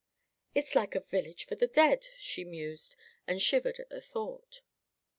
"It's like a village of the dead," she mused, and shivered at the thought.